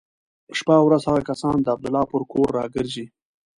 شپه او ورځ هغه کسان د عبدالله پر کور را ګرځي.